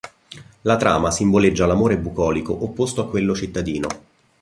La trama simboleggia l'amore bucolico opposto a quello cittadino.